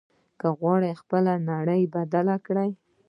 که غواړې خپله نړۍ بدله کړې.